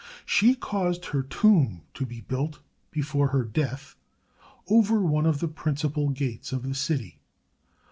She caused her tomb to be built, before her death, over one of the principal gates of the city.